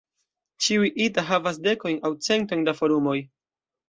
Ĉiuj "ita" havas dekojn aŭ centojn da forumoj.